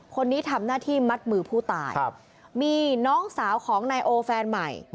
คนนี้ทำหน้าที่มัดมือผู้ตายมีน้องสาวของนายโอแฟนใหม่